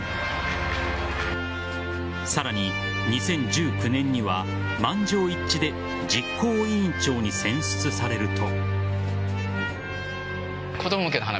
さらに２０１９年には満場一致で実行委員長に選出されると。